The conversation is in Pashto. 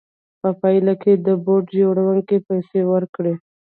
په پایله کې یې د بوټ جوړوونکي پیسې ورکړې